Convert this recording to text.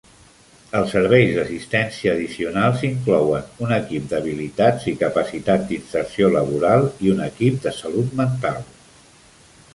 Els serveis d'assistència addicionals inclouen un equip d'habilitats i capacitat d'inserció laboral i un equip de salut mental.